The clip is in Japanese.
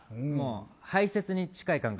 排泄に近い感覚。